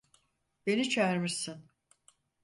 Beni çağırmışsın.